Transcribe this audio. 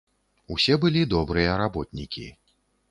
Усе былі добрыя работнікі.